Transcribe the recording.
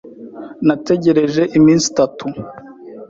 Nategereje iminsi itatu.